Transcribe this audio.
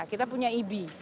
kita punya ib